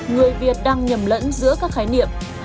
người việt đang nhầm lẫn giữa các khái niệm